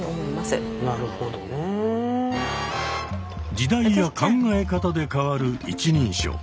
時代や考え方で変わる一人称。